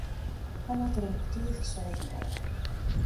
Hy moat der om kertier foar seizen ôf.